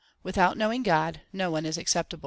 Without knowing God, no one is acceptable.